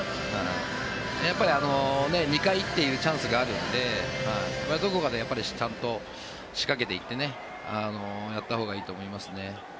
やっぱり、２回というチャンスがあるのでどこかでちゃんと仕掛けていってやったほうがいいと思いますね。